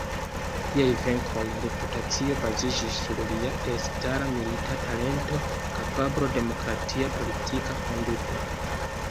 Liaj venkoj, reputacio baziĝis sur lia elstara milita talento, kapablo, demokratia politika konduto.